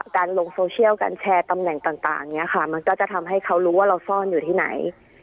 การลงโซเชียลการแชร์ตำแหน่งต่างเนี่ยค่ะมันก็จะทำให้เขารู้ว่าเราซ่อนอยู่ที่ไหน